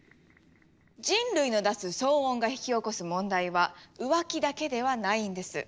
人類の出す騒音が引き起こす問題は浮気だけではないんです。